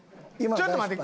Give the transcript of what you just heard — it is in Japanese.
ちょっと待って。